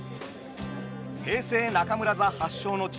平成中村座発祥の地